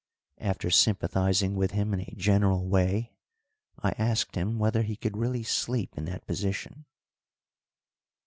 After sympathising with him in a general way, I asked him whether he could really sleep in that position.